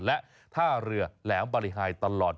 และท่าเรือแหลมบริหายตลอด